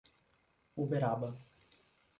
Uberaba